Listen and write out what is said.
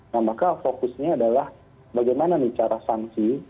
nah maka fokusnya adalah bagaimana nih cara sanksi